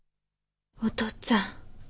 お父っつぁん。